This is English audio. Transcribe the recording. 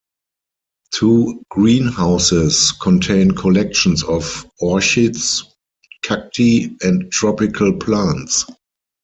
Two greenhouses contain collections of orchids, cacti, and tropical plants.